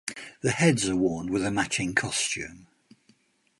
The heads are worn with a matching costume.